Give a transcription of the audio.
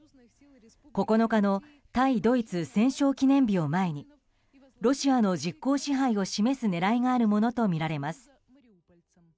９日の対ドイツ戦勝記念日を前にロシアの実効支配を示す狙いがあるものとみられます。